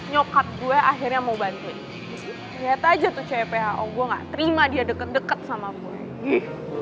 nyokap gue akhirnya mau bantuin lihat aja tuh cewek gue gak terima dia deket deket sama gue